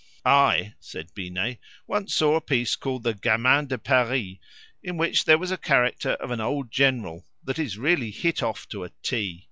"I," said Binet, "once saw a piece called the 'Gamin de Paris,' in which there was the character of an old general that is really hit off to a T.